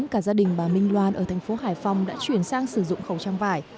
cả gia đình bà minh loan ở thành phố hải phòng đã chuyển sang sử dụng khẩu trang vải